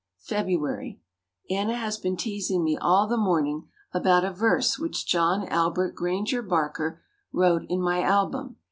February. Anna has been teasing me all the morning about a verse which John Albert Granger Barker wrote in my album.